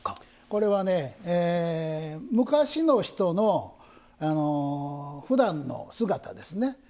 これは、昔の人のふだんの姿ですね。